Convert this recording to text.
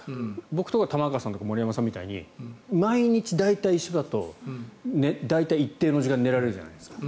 僕とか玉川さんとか森山さんみたいに毎日、大体一緒だと大体、一定の時間に寝られるじゃないですか。